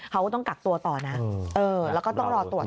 เขาก็ต้องกักตัวต่อนะแล้วก็ต้องรอตรวจ